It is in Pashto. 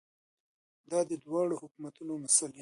دا د دواړو حکومتونو مسؤلیت دی.